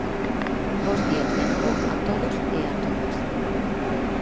Bos días de novo a todos e a todas.